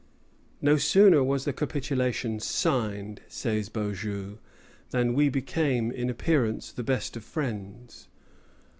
"No sooner was the capitulation signed," says Beaujeu, "than we became in appearance the best of friends."